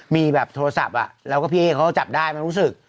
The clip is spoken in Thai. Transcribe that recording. มีแบบโทรศัพท์แล้วก็พี่เอ๊เขาจับได้มันรู้สึก